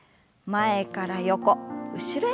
前から横後ろへ。